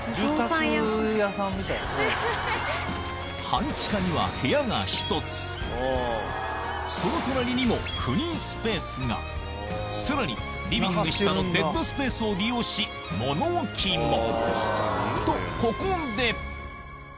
半地下には部屋が１つその隣にもフリースペースがさらにリビング下のデッドスペースを利用し物置もとここで！